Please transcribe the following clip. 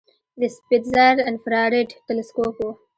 د سپیتزر انفراریډ تلسکوپ و.